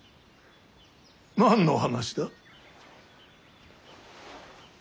何の話だ。